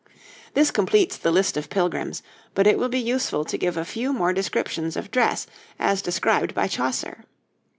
This completes the list of Pilgrims, but it will be useful to give a few more descriptions of dress as described by Chaucer.